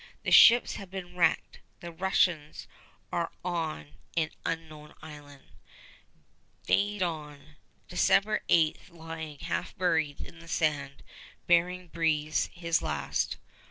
The ships have been wrecked. The Russians are on an unknown island. Day dawn, December 8, lying half buried in the sand, Bering breathes his last.